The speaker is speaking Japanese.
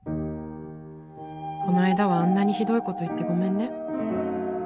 この間はあんなにひどいこと言ってごめんね。